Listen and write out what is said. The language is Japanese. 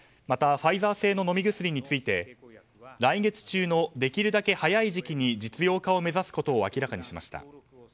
またファイザー製の飲み薬について、来月中のできるだけ早い時期に実用化を目指すことを明らかにしました。